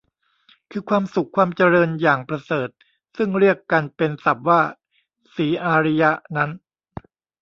คือความสุขความเจริญอย่างประเสริฐ ซึ่งเรียกกันเป็นศัพท์ว่า "ศรีอาริย" นั้น